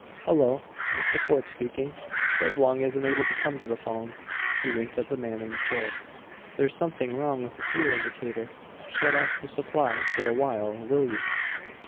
"Hello Mr. Fort speaking; Reblong isn't able to come to the phone." He winked at the man in the chair. "There's something wrong with the fuel indicator. Shut off the supply for a while, will you?"